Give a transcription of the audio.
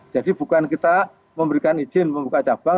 jadi bukan kita memberikan izin membuka cabang